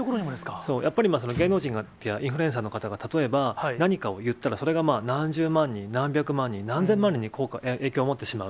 やっぱり芸能人やインフルエンサーの方が例えば何かを言ったら、それが何十万人、何百万人、何千万人に影響を持ってしまう。